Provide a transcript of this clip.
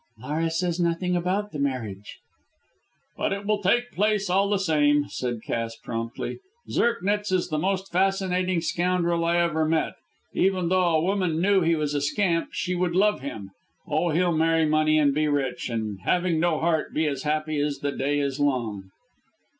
"Laura says nothing about marriage." "But it will take place all the same," said Cass, promptly. "Zirknitz is the most fascinating scoundrel I ever met. Even though a woman knew he was a scamp she would love him. Oh, he'll marry money and be rich, and, having no heart, be as happy as the day is long."